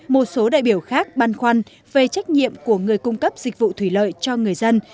một số đại biểu khác băn khoăn về trách nhiệm của người cung cấp dịch vụ thủy lợi cho người dân